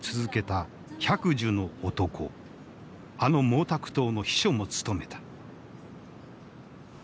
あの毛沢東の秘書も務めた。